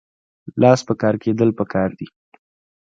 لاس په کار کیدل پکار دي